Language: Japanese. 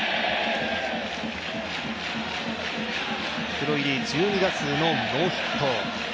プロ入り１２打数のノーヒット。